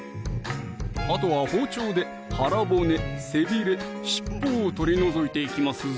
あとは包丁で腹骨・背びれ・尻尾を取り除いていきますぞ